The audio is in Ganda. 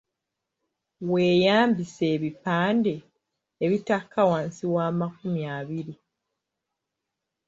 Weeyambise ebipande ebitaka wansi wa makumi abiri.